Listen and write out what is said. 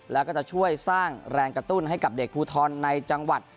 แล้วก็จะช่วยสร้างแรงกระตุ้นให้กับเด็กภูทรในจังหวัด